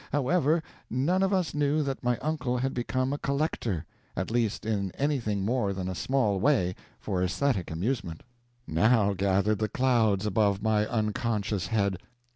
However, none of us knew that my uncle had become a collector, at least in anything more than a small way, for esthetic amusement. Now gathered the clouds above my unconscious head.